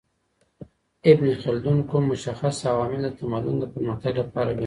ابن خلدون کوم مشخص عوامل د تمدن د پرمختګ لپاره ګڼي؟